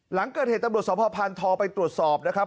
หลังเกิดเหตุตรวจสอบพพไปตรวจสอบนะครับ